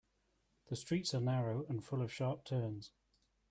The streets are narrow and full of sharp turns.